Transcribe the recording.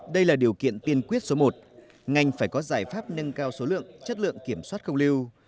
đây là điều kiện tiên quyết số một ngành phải có giải pháp nâng cao số lượng chất lượng kiểm soát không lưu